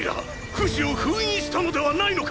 フシを封印したのではないのか⁉